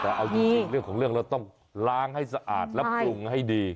แต่เอาจริงเรื่องของเรื่องเราต้องล้างให้สะอาดและปรุงให้ดี